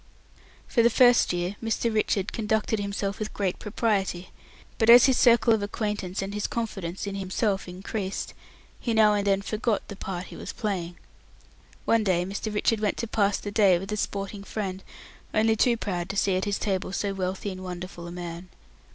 For the first year Mr. Richard conducted himself with great propriety, but as his circle of acquaintance and his confidence in himself increased, he now and then forgot the part he was playing. One day Mr. Richard went to pass the day with a sporting friend, only too proud to see at his table so wealthy and wonderful a man.